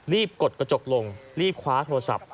กดกระจกลงรีบคว้าโทรศัพท์